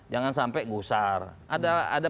jangan sampai gusar ada